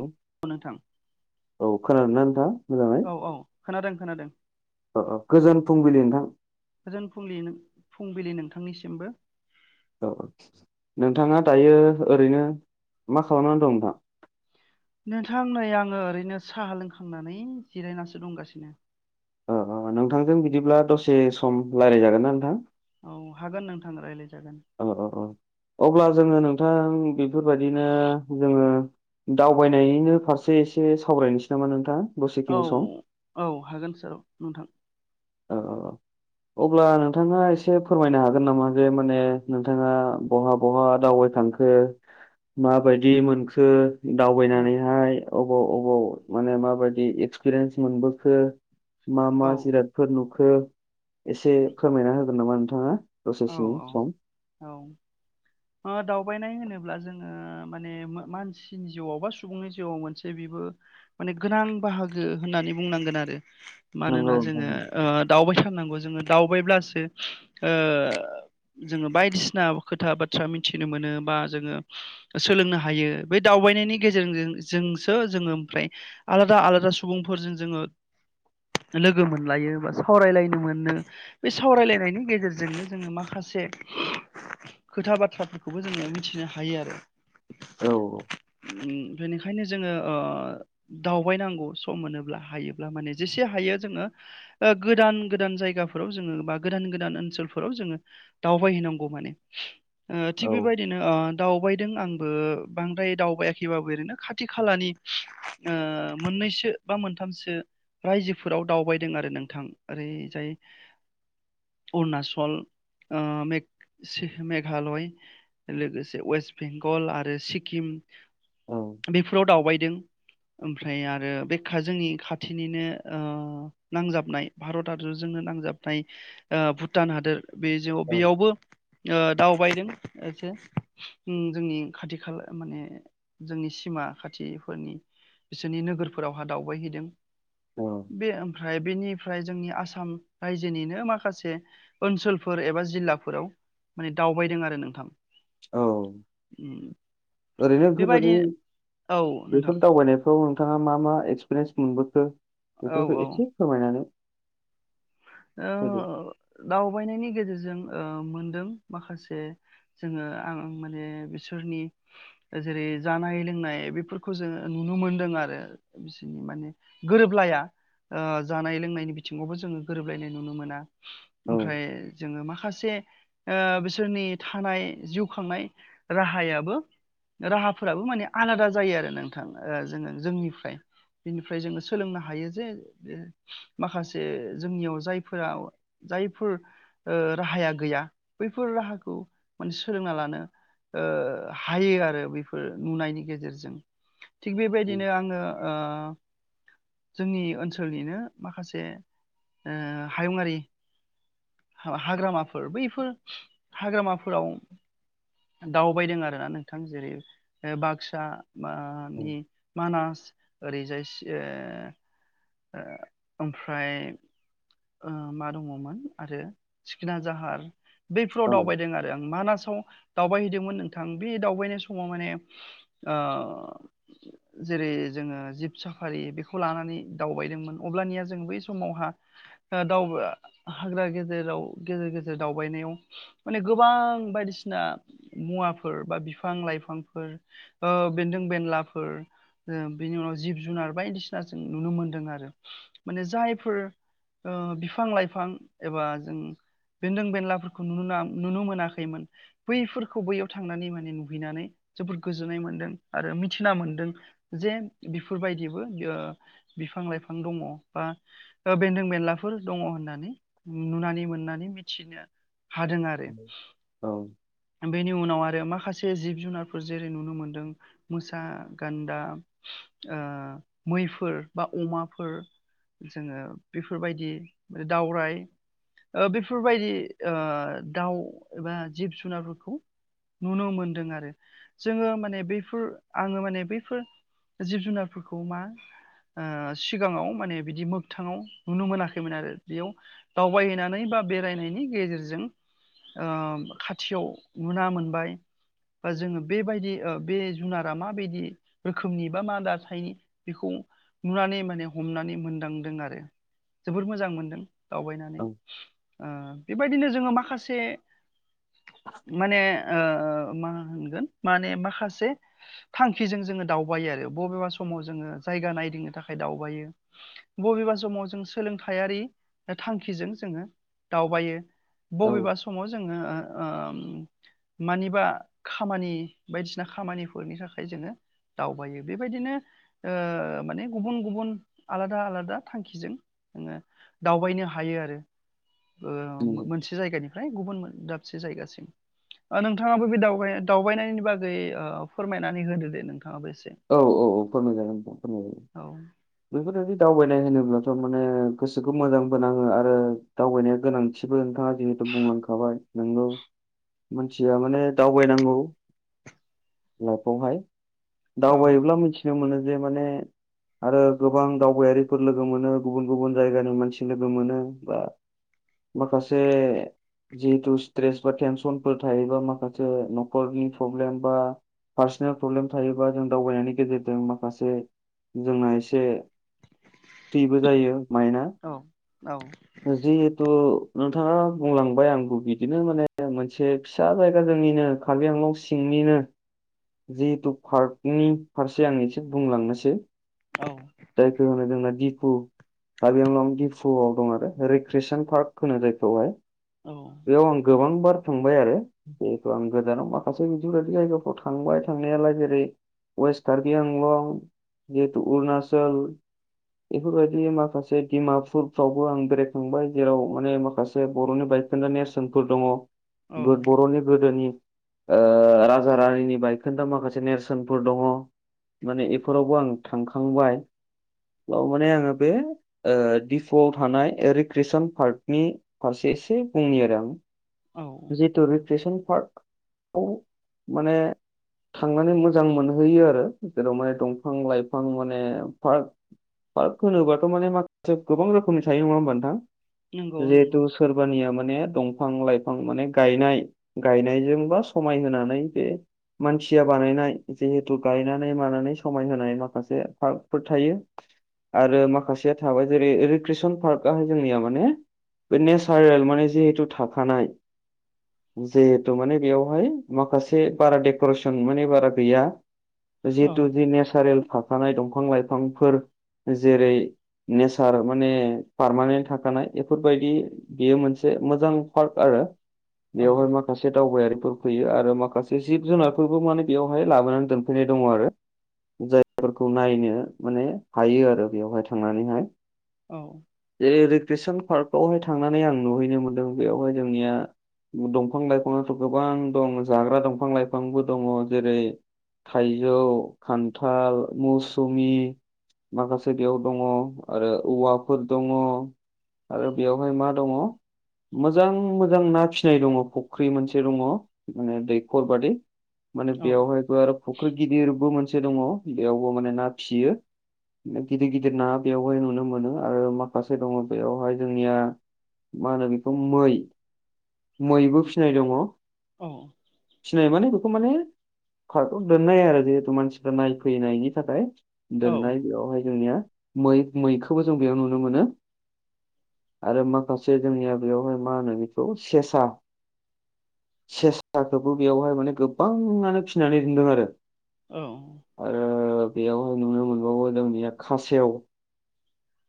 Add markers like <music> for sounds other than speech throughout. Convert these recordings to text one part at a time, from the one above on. औ नोंथां? औ खोनादोंना नोंथां? औ औ खोनादों खोनादों। ओ-ओगोजोन फुंबिलि नोंथां। आंनिसिमबो। औ औ नोंथाङा दायो ओरैनो मा खालामना दं नोंथां? नोंथां नै आङो ओरैनो साहा लोंखांनानै जिरायनासो दंगासिनो। ओ नोंथांजों बिदिब्ला दसे सम रायज्लायजागोन ना नोंथां? औ हागोन नोंथां रायज्लायस। औ औ औ अब्ला जोङो नोंथां बेफोरबायदिनो जोङो दावबायनो फारसे एसे सावरायनोसै नामा नोंथाङ? औ औ हागोन सार नोंथां। औ-औ-अ। अब्ला नोंथाङा एसे फोरमायनो हागोन नामा जे माने नोंथाङा बहा बहा दाव दावबाय थांखो माबायदि मोनखो औ दावबायनानैहाय अबाव अबाव माने माबायदि एक्सपिरियेन्स मोनबोखो मा मा जिराद औ फोर नुखो एसे खमायना होगोन नामा नोंथाङा? औ दसेसो सम। औ बायनाय होनोब्ला जोङो माने मा-मानसिनि जिउआव बा सुबुंनि जिउआव मोनसे बिबो मा गोनां बाहागो होननानै बुंनांगोन आरो नंगौ मानोना नोंथां जोङो नंगौ ओ दावबायथारनांगौ जोङो दावबायब्लासो ओ <inaudible> जोङो बायदिसिना खोथा बाथ्रा मिथिनो मोनो बा जोङो सोलोंनो हायो बे दावबायनो गेज जोंो जोङो ओम फफ्राय आलादा आलादा सुबुंफोरजों जोङो लोगो मोनलायो बा सावरायलायनो मोनो बे सावरायलायनायनि गेजेरजोंनो जोङो माखासे खोथा बाथ्राफोरखौबो जोङो मिथिनो हायो आरो औ औ। उम बिनिखायनो जोङो ओ दावबायनांगौ सम मोनोब्ला हायोब्ला माने जेसे हायो जोंङो गोदान गोदान जायगाफोराव जोङो बा गोदान गोदान ओनसोल फोराव जोङो दावबायहांगौ माने ओ थिग औ बेबायदिनो ओ दावबायदों आंबो बांद्राय दावबायाखैबाबो ओरैनो खाथि खालानि ओ मोननैसो बा मोनथामसो रायजोफोराव दावबायदों आरो नोंथां ओरैजाय अरुणचल फल ओ मेघालय लोगोसे वेस्ट बेंगल आरो सिक्किम औ बेफोराव दावबायदों ओमफ्राय आरो बे जोंनि खाथिनिनो ओ नांजाबनाय भारत आरो जोंनो नांजाबनाय ओ भुटान हादोर बेजो औ बेयावबो ओ दावबायदों एसे जोंनि ओ खाथि खाला माने जोंनि सिमा खाथि <unintelligible> फोरनि बिसोरनि नोगोरफोरावहा दावबायहैदों। औ बे ओमफ्राय बेनिफ्राय जोंनि आसाम रायजोनिनो माखासे ओनसोलफोर एबा जिल्लाफोराव माने दावबायदों आरो नोंथां। औ। उम, ओरैनो बेबायदि बेफोरबायदि औ नोंथां बेफोर दावबायनायफ्राव नोंथाङा मा मा एक्सपिरियेन्स मोनबोखो औ बेफोरखौ औ एसे फोरमायनानै होदो ओ दावबायनायनि गेजेरजों दों माखासे जोङो आं माने बिसोरनि ओ जेरै जानाय लोंनाय बेफोरखौ जोङो नुनो मोनदों आरो बिसोरनि माने गोरोबलाया। ओ जानाय लोंनायनि बिथिङावबो जोङो गोरोबलायनाय नुनो मोना। औ ओमफ्राय जोङो माखासे ओ बिसोरनि थानाय जिउ खांनाय राहायाबो राहाफोराबो माने आलादा जायो आरो नोंथां ओ जोङो जोंनिफ्राय बिनिफ्राय जोङो सोलोंनो हायो जे ओ माखासे जोंनियाव जायफोरा जायफोर ओ राहाया गैया बैफोर राहाखौ जों माने सोलोंना लानो ओ हायो आरो बेफोर नुनायनि गेजेरजों। थिग औ बेबायदिनो आङो ओ जोंनि ओनसोलनिनो माखासे ओ हायुंआरि हाग्रामाफोर, बैफोर हाग्रामाफोराव दावबायदों आरो ना नोंथां जेरै बाक्सा बा मानि मानास ओरैजाय सि ओ ओ ओमफ्राय ओ मा दङमोन आरो सिखना जाहार बैफोराव औ दावबायदों आरो आं मानास आव दावबायहैदोंमोन नोंथां। बे दावबायनाय समाव माने ओ जेरै जोङो जिब साफारि बेखौ लानानै दावबायदोंमोन अब्लानिया जों बै समावहा दा दावबाय हाग्रा गेजेराव गेजेर गेजेर दावबायनायाव माने गोबां बायदिसिना मुवाफोर बा बिफां लाइफांफोर ओ बेन्दों बेनलाफोर ओ बिनि उनाव जिब जुनार बायदिसिना जों नुनो मोनदों आरो माने जायफोर ओ बिफां लाइफां एबा जों बेन्दों बेनलाफोरखौ नुना नुनो मोनाखैमोन बैफोरखौ बैयाव थांनानै माने नुहैनानै जोबोर गोजोननाय मोनदों आरो मिथिना मोनदों जे बेफोरबायदिबो ओ बिफां लायफां दङ बा बेनदों बेनलाफोर दङ होननानै नुनानै मोननानै मिथिनो हादों आरो। औ बेनि उनाव आरो माखा से जिब जुनारफोर जेरै नुनो मोनदों मोसा, गान्दा, ओ मैफोर बा अमाफोर जोङो बेफोरबायदि दावराय ओ बेफोरबायदि दाउ एबा जिब जुनारफोरखौ नुनो मोनदों आरो। जोङो माने बैफोर आङो माने बैफोर जिब जुनारफोरखौ मा ओ सिगाङाव माने बिदि मोगथाङाव नुनो मोनाखैमोन आरो, बेयाव दावबायहैनानै बा बेरायनायनि गेजेरजों ओ खाथियाव नुना मोनबाय बा जोङो बेबायदि ओ बे जुनारा माबायदि रोखोमनि बा मा दाथायनि बेखौ नुनानै माने हमनानै मोनदांदों आरो। जोबोर मोजां मोनदों दावबायनानै। औ ओ बेबायदिनो जोङो माखासे माने ओ मा होनोगोन मान माखासे थांखिजों जोङो दावबायो आरो बबेबा समाव जोङो जायगा नायदिंनो थाखाय दावबायो, बबेबा समाव जों सोलोंथायारि थांखिजों जोङो दावबायो। औ बबेबा समाव जोङो ओ ओ मानिबा खामानि बायदिसिना खामानिफोरनि थाखाय जोङो दावबायो बेबायदिनो ओ माने गुबुन गुबुन आलादा आलादा थांखिजों। ङो दावबायनो हायो ओ आरो नंगौ। मोनसे जायगानिफ्राय गुबुन दाबसे जायगासिम। नोंथाङाबो बे दाव दावबायनायनि बागै फोरमायनानै होदो दे नों औ औ औ फोरमायजागोन नोंथां औ फोरमायजायो बेफोरबायदि दावबायनाय होनोब्लाथ' माने गोसोखौ मोजांबोनाङो आरो दावबायनाया गोनांथिबो नोंथाङा जि बुंलांखाबाय नोंनो मानसिया माने दावबायनांगौ। लाइफआवहाय औ दावबायोब्ला मिथिनो मोनो जे माने आरो गोबां दावबायारिफोर लोगो मोनो गुबुन गुबुन जायगानि मानसि लोगो मोनो बा माखासे जिहेथु स्ट्रेस बा टेनसनफोर थायोबा माखासे न'खरनि प्रब्लेम बा पार्सनेल प्रब्लेम थायोबा जों दावबायनायनि गेजेरजों माखासे जोंना एसे फ्रिबो जायो औ औ माइनाआ जिहेथु नोंथाङा बुंलांबाय आंखौ बिदिनो माने मोनसे फिसा जायगा जोंनिनो कबिआंलंसिंनि नो जिहेतु पार्कनि फारसे आं एसे बुंलांनोसै जायखौ होनो जोंना दिफु काबिआंलं दिफुआव दं आरो रिक्रेसन पार्क होनो जायखौहाय औ बेयाव आं गोबां बार थांबाय आरो जिहेथु आं गोजानाव माखासे बिदि जायगाफ्राव थांबाय थांनायालाय जेरै वेस्ट कार्बिआंलं जिहेतु अरुणाचल बेफोरबायदि माखासे दिडमापुरफ्रावबो आं बेरायखांबाय जेराव माने माखासे बर'नि बाय बायखोनदा नेसनफोर दङ बर'नि गोदोनि राजा रानिनि बायखोन्दा माखासे नेरसोनफोर दङ। माने इफोरावबो आं थांखांबाय माने आङो बे दिफ'आव थानाय रिक्रेसन पार्कनि फारसे एसे बुंनि आरो आं औ जिथु रिक्रेसन पार्ख औ माने थांनानै मोजां मोनहैयो आरो जेराव माने दंफां लाइफां माने पार्क पार्क होनोबाथ' माने माखासे गोबां रोखोमनि थायो नङा होमबा नोंथां? नंगौ जिहेथु नंगौ सोरबानिया माने दं फां लाइफां माने गायनाय गायनायजोंबा समाय होनानै बे मानसिया बानायनाय जिहेथु गायनानै मानानै समायहाय माखासे पार्क फोर थायो आरो माखासेया थाबाय जेरै रिक्रेसन पार्कआहाय जोंनिया माने बे नेचारेल माने जिहेथु थाखानाय जिहेथु माने बेयावहाय माखासे बारा डेक'रेसन माने बारा गैया जिहेतु औ जे नेसारेल थाखाफानाय दंफां लाइफांफोर जेरै नेचार माने पारमानेन्ट थाखानाय एफोरबायदि बियो मोनसे मोजां पार्क आरो औ बेवहाय माखासे दावबायारि फैयो आरो माखासे जिब जुनारफोरबो माने बेयावहाय लाबोनानै दोनफैनाय दङ आरो। जायफोरखौ नायनो माने हायो आरो बेयावहाय थांनानैहाय औ जेरै रिक्रेसन पार्क बेवहाय थांनानै आं नुहैनो मोनदों बेयावहाय जोंनिया दंफां लाइफाङआथ' गोबां दं जाग्रा दंफां लाइफांबो दङ जेरै थाइजौ खान्थाल मौसुमि माखासे बेयाव दङ आरो औवाफोर दङ। आरो बेवहाय मा दङ मोजां मोजां ना फिसिनाय दङ फुख्रि मोनसे दङ माने दैखर बादि माने औ बेवहायबो आरो फुख्रि गिदिरबो मोनसे दङ बेयावबो माने ना फिसियो। गिदिर गिदिर ना बेवहाय नुनो मोनो आरो माखासे दङ बेयावहाय जोंनिया मा होनो बेखौ मै मैबो फिनाय दङ। औ फिनाय माने बेखौ माने पार्खआव दोननाय आरो जिहेथु मानसिफ्रा नायफैनायनि थाखाय। औ दोननाय बेयावहाय जोंनिया मै मैखौबो जों बेयाव नुनो मोनो। आरो माखासे जोंनिया बेयावहाय मा होनो बेखौ सेसा, सेसाखौबो बेयावहाय माने गोबाङानो फिनानै दोनदों आरो। औ। आरो बेयावहाय नुनो मोनबावो जोंनिया खासेव।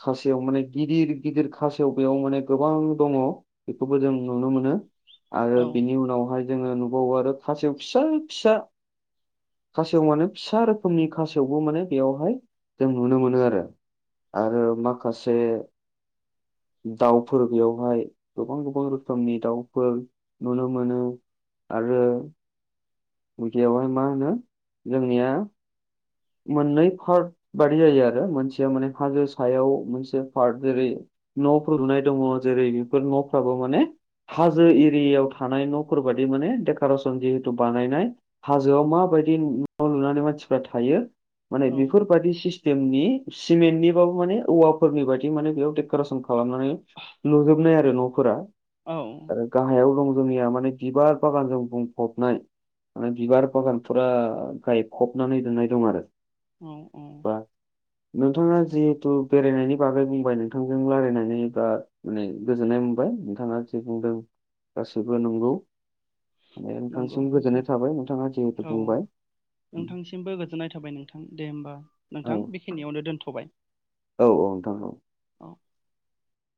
खासेव माने गिदिर गिदिर खासेव बेयाव माने गोबां दङ बेखौबो जों नुनो मोनो ‌। आरो बिनि उनावहाय जोङो न बाव आरो खासेव फिसा फिसा खासेव माने फिसा रोखोमनि खासेवबो मोने बेयावहाय जों नुनो मोनो आरो आरो माखासे दाउफोर बेैयावहाय गोबां गोबां रोखोमनि दाउफोर नुनो मोनो। आरो उदैयावहाय मा होनो जोंनिया मोननै पार्ट बादि जायो आरो मोनसेया माने हाजो सायाव मोनसे पार्ट जेरै न'फोर लुनाय दङ जेरै बेफोर न'फ्राबो माने हाजो एरियायाव थानाय न'फोर बादिऊ माने डेक'रेसन जिहेतु बानायनाय हाजोआव माबाय बादि न' लुनानै मानसिफ्रा थायो माने बेफोरबायदि सिस्टेमनि सिमेन्टनिबाबो माने औवाफोरनि बायदि माने बेयाव देक'रेसन खालामनानै लुजोबनाय आरो न'फोरा। औ आरो गाहायाव दं जोंनिया माने बिबार बागानजों बुंफबनाय माने बिबार बागानफोरा गायखबनानै दोननाय दं आरो औ बा नोंथाङा जि थु बेरायनायनि बागै बुंबाय नोंथांजों रायलायनानै बा माने गोजोननाय मोनबाय नोंथाङा जे बुं ओं गासैबो नंगौ। माने नंगौ नोंथांसिम नोंथां गोजोननाय थाबाय नोंथाङा जिहेथु औ बुंबाय। नोंथांसिमबो गोजोननाय थाबाय नोंथां दे होमबा औ नोंथां बेखिनियावनो दोनथ'बाय औ नोंथां औ औ।